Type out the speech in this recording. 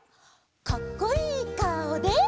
「かっこいい顔で」